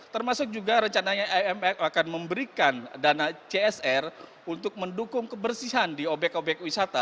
termasuk juga rencananya imf akan memberikan dana csr untuk mendukung kebersihan di obyek obyek wisata